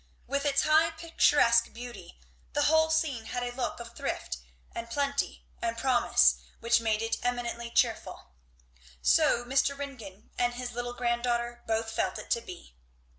With its high picturesque beauty the whole scene had a look of thrift and plenty and promise which made it eminently cheerful. So Mr. Ringgan and his little granddaughter both felt it to be.